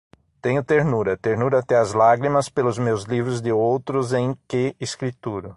Tenho ternura, ternura até às lágrimas, pelos meus livros de outros em que escrituro